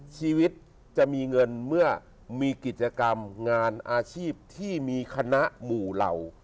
ชีวิตจะมีเงินเมื่อมีกิจกรรมงานอาชีพที่มีคณะหมู่เหล่า